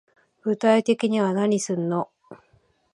具体的には何すんの